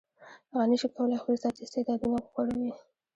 هغه نشي کولای خپل ذاتي استعدادونه وغوړوي.